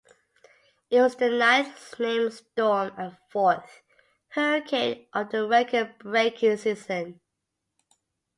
It was the ninth named storm and fourth hurricane of the record-breaking season.